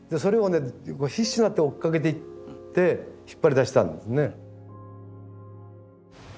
もう必死になって追っかけていって引っ張り出したんですね。